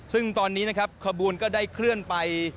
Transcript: ซึ่งตอนนี้นะครับขบวนก็ได้เคลื่อนไป